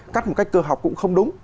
cắt một cách cơ học cũng không đúng